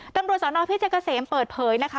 ตำรวจสวนออภิเจกเกษมเปิดเผยนะคะ